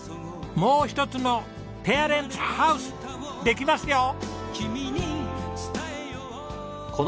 もう一つのペアレンツハウスできますよ！